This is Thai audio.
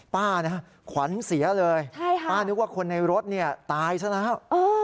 ป้านะขวัญเสียเลยป้านึกว่าคนในรถเนี่ยตายซะแล้ว